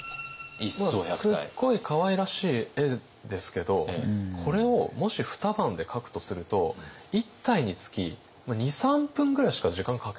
すっごいかわいらしい絵ですけどこれをもし二晩で描くとすると１体につき２３分ぐらいしか時間かけられないわけですよ。